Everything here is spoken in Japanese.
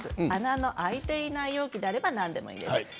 穴の開いていないものであれば何でもいいです。